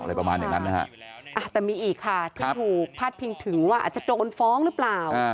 ประมาณอย่างนั้นนะฮะแต่มีอีกค่ะที่ถูกพาดพิงถึงว่าอาจจะโดนฟ้องหรือเปล่า